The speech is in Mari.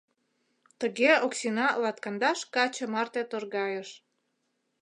Тыге Оксина латкандаш каче марте торгайыш.